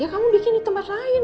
ya kamu bikin di tempat lain